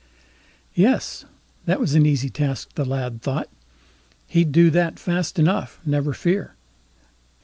Yes! that was an easy task, the lad thought; he'd do that fast enough, never fear.